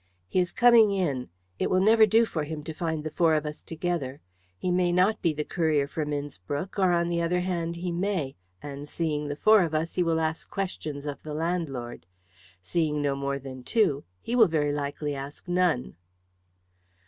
"He is coming in. It will never do for him to find the four of us together. He may not be the courier from Innspruck; on the other hand, he may, and seeing the four of us he will ask questions of the landlord. Seeing no more than two, he will very likely ask none."